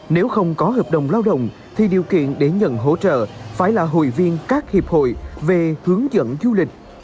nếu không có hợp đồng lao động thì điều kiện để nhận hỗ trợ phải là hội viên các hiệp hội về hướng dẫn du lịch